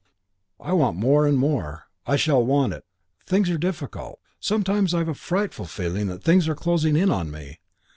I want it more and more. I shall want it. Things are difficult. Sometimes I've a frightful feeling that things are closing in on me.